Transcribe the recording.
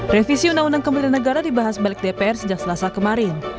revisi undang undang kemirian negara dibahas balik dpr sejak selasa kemarin